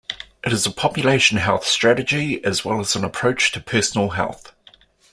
It is a population health strategy as well as an approach to personal health.